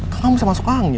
kan gak bisa masuk ke hangnya